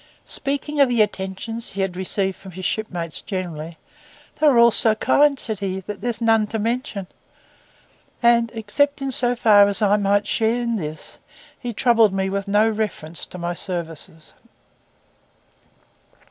Speaking of the attentions he had received from his shipmates generally, 'they were all so kind,' he said, 'that there's none to mention.' And except in so far as I might share in this, he troubled me with no reference to my services.